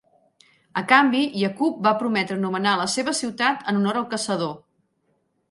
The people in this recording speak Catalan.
A canvi, Yaqub va prometre anomenar la seva ciutat en honor al caçador.